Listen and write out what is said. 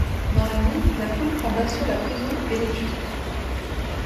Dans la nuit, la foule prend d’assaut la prison et les tue.